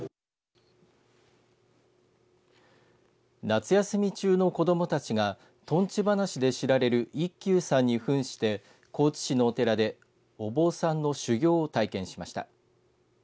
夏休み中の子どもたちがとんち話で知られる一休さんにふんして高知市のお寺でお坊さんの修行を体験しました。